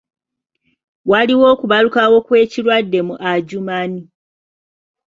Waliwo okubalukawo kw'ekirwadde mu Adjumani.